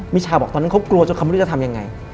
มิชาบอกตอนนั้นเขากลัวจนเขาไม่รู้จะทำยังไง